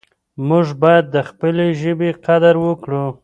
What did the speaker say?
موږ باید د خپلې ژبې قدر وکړو.